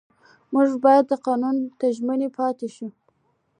موږ باید قانون ته ژمن پاتې شو